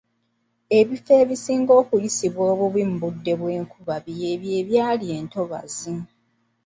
Ebifo ebisinga okuyisibwa obubi mu budde bw’enkuba by’ebyo ebyali entobazi.